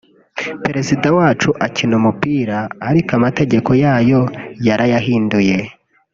Perezida wacu akina umupira ariko amategeko yayo yarayahinduye